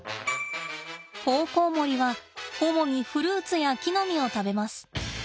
オオコウモリは主にフルーツや木の実を食べます。